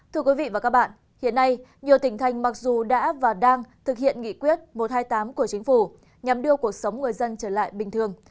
thưa quý vị và các bạn hiện nay nhiều tỉnh thành mặc dù đã và đang thực hiện nghị quyết một trăm hai mươi tám của chính phủ nhằm đưa cuộc sống người dân trở lại bình thường